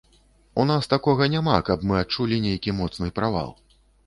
У нас такога няма, каб мы адчулі нейкі моцны правал.